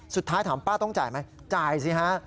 สุดท้ายถามป้าต้องจ่ายไหมจ่ายสิฮะ